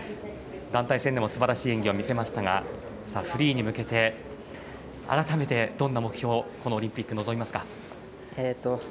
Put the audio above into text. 団体戦でもすばらしい演技を見せましたがフリーに向けて、改めてどんな目標このオリンピック臨みますか。